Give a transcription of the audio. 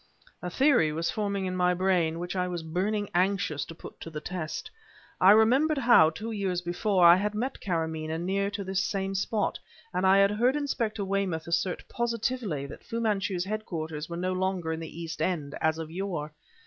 A theory was forming in my brain, which I was burningly anxious to put to the test. I remembered how, two years before, I had met Karamaneh near to this same spot; and I had heard Inspector Weymouth assert positively that Fu Manchu's headquarters were no longer in the East End, as of yore.